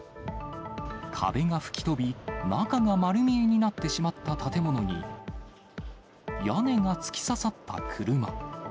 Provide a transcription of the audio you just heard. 壁が吹き飛び、中が丸見えになってしまった建物に、屋根が突き刺さった車。